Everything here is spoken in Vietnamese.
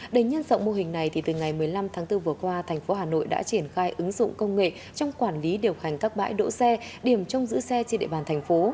để nhân dọng mô hình này từ ngày một mươi năm tháng bốn vừa qua thành phố hà nội đã triển khai ứng dụng công nghệ trong quản lý điều hành các bãi đỗ xe điểm trong giữ xe trên địa bàn thành phố